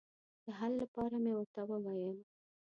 د حل لپاره مې ورته وویل.